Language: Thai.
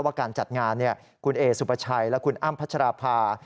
ว่าการจัดงานนี่อเอซุไบร์ชัยและออ้ำพระชาภา